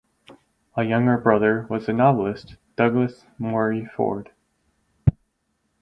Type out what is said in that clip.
A younger brother was the novelist Douglas Morey Ford.